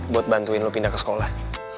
buat bantuin lo pindah ke sekolah